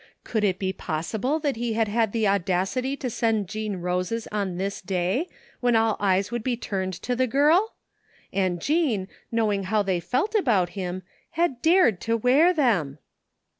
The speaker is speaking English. Could it be possible that he had had the audacity to send Jean roses on this day, when all eyes would be turned to the girl? And Jean, knowing how they felt about him, had dared to wear them